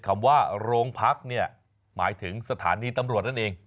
คำว่าโรงพักเนี่ยหมายถึงสถานีตำรวจนั่นเอง